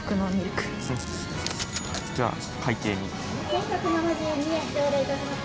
１，１７２円頂戴いたします。